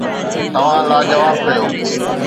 توهان لاجواب ڪيو.